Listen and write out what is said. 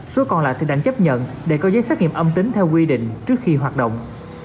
số còn lại thì đành chấp nhận để có giấy xác nghiệm âm tính theo quy định trước khi hoạt động